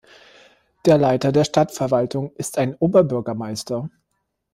Der Leiter der Stadtverwaltung ist ein Oberbürgermeister.